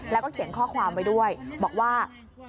แล้วก็เขียนข้อความไว้ด้วยบอกว่า